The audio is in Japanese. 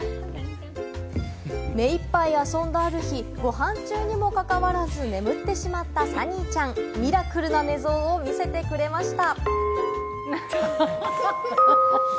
目いっぱい遊んだある日、ごはん中にも関わらず眠ってしまったサニーちゃん、ミラクルな寝相を見せてくれました。